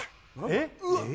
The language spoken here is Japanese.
えっ？